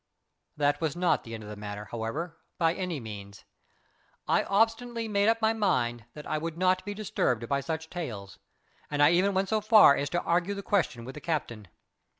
That was not the end of the matter, however, by any means. I obstinately made up my mind that I would not be disturbed by such tales, and I even went so far as to argue the question with the captain.